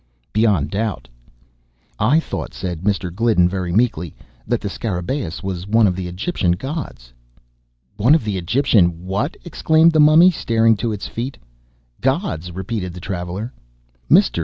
"Beyond doubt." "I thought," said Mr. Gliddon, very meekly, "that the Scarabaeus was one of the Egyptian gods." "One of the Egyptian what?" exclaimed the Mummy, starting to its feet. "Gods!" repeated the traveller. "Mr.